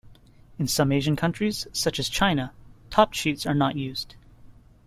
In some Asian countries, such as China, top sheets are not used.